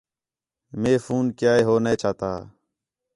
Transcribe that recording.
مے فون کَیا ہے ہو نے چاتا